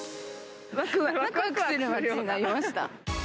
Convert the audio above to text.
わくわくする街になりました。